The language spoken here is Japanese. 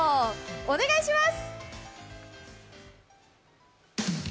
お願いします！